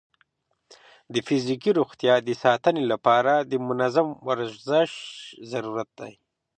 د فزیکي روغتیا د ساتنې لپاره د منظم ورزش ضرورت دی.